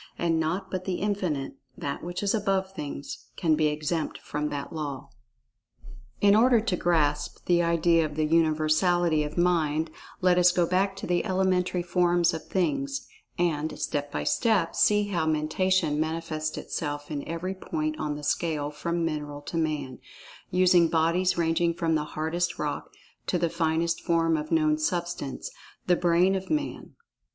And naught but The Infinite—That which is above Things—can be exempt from that law. In order to grasp the idea of the Universality of Mind, let us go back to the elementary forms of Things, and, step by step, see how Mentation manifests itself in every point on the scale from mineral to man—using bodies ranging from the hardest rock to that finest form of known Substance—the Brain of Man.